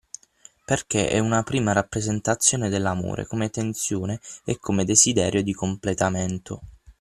Perché è una prima rappresentazione dell’amore come tensione e come desiderio di completamento.